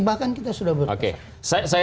bahkan kita sudah berpikir